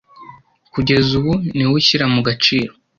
Kugeza ubu niwe ushyira mu gaciro.